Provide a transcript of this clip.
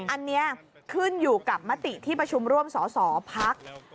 อันนี้ขึ้นอยู่กับมติที่ประชุมร่วมสอสอพัก